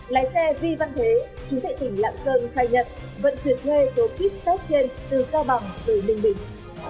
lái xe vy văn thế chủ tệ tỉnh lạng sơn khai nhận vận chuyển thuê số ký kết trên từ cao bằng tới ninh bình